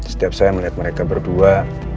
setiap saya melihat mereka berdua